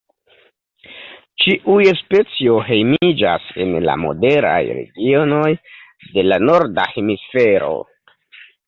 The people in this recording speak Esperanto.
Ĉiuj specio hejmiĝas en la moderaj regionoj de la norda hemisfero.